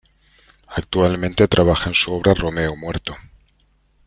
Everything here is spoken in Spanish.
Actualmente trabaja en su obra "Romeo Muerto".